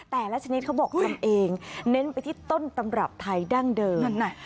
แต่ละชนิดเขาบอกทำเองเน้นไปที่ต้นตำรับไทยดั้งเดิม